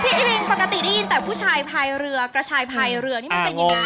อิริงปกติได้ยินแต่ผู้ชายภายเรือกระชายพายเรือนี่มันเป็นยังไง